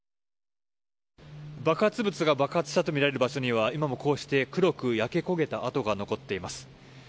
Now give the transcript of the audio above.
爆発物が爆発したとみられる場所には今も、こうして黒く焼け焦げた跡が残っています。